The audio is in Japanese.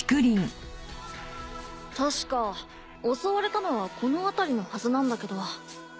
たしか襲われたのはこのあたりのはずなんだけど。